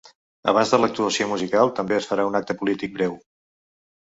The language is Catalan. Abans de l’actuació musical també es farà un acte polític breu.